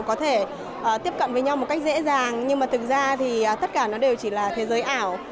có thể tiếp cận với nhau một cách dễ dàng nhưng mà thực ra thì tất cả nó đều chỉ là thế giới ảo